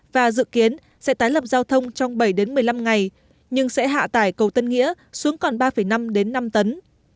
và dự kiến sẽ tái lập giao thông trong bảy đến một mươi năm ngày nhưng sẽ hạ tải cầu tân nghĩa xuống còn ba năm đến năm tấn